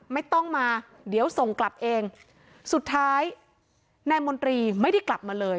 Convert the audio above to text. ไม่ต้องมาเดี๋ยวส่งกลับเองสุดท้ายนายมนตรีไม่ได้กลับมาเลย